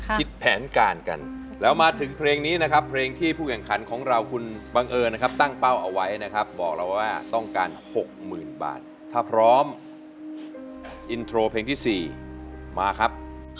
คิดแผนการกันแล้วมาถึงเพลงนี้นะครับเพลงที่ผู้แข่งขันของเราคุณบังเอิญนะครับตั้งเป้าเอาไว้นะครับบอกเราว่าต้องการ๖๐๐๐บาทถ้าพร้อมอินโทรเพลงที่๔มาครับ